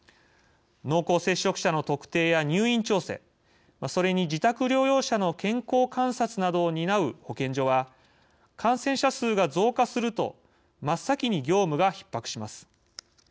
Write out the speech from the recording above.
濃厚接触者の特定や入院調整それに自宅療養者の健康観察などを担う保健所は感染者数が増加すると真っ先に業務がひっ迫します。